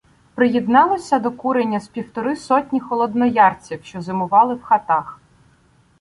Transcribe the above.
Приєдналося до куреня з півтори сотні холодноярців, що зимували в хатах.